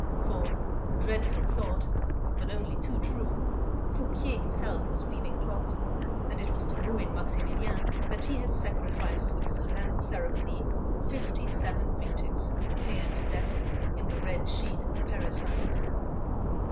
_ For, dreadful thought, but only too true! Fouquier himself was weaving plots, and it was to ruin Maximilien that he had sacrificed with solemn ceremony fifty seven victims haled to death in the red sheet of parricides.